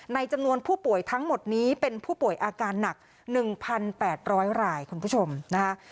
จำนวนผู้ป่วยทั้งหมดนี้เป็นผู้ป่วยอาการหนัก๑๘๐๐รายคุณผู้ชมนะคะ